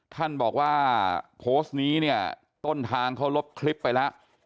ท่านบอกว่าโพสต์นี้เนี่ยต้นทางเขาลบคลิปไปแล้ว